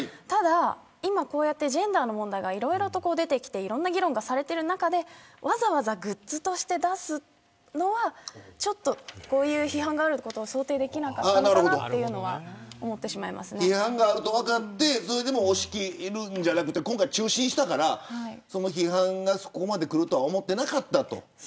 ただ、今こうやってジェンダーの問題がいろいろとこう出てきていろんな議論がされてる中でわざわざグッズとして出すのはこういう批判があることを想定できなかったっていうのは批判があると分かってそれでも押し切るんじゃなくて今回、中止にしたからその批判がそこまでくるとは思ってなかったと。